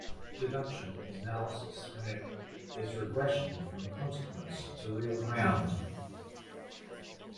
Deduction is analysis when it is regressive from consequence to real ground.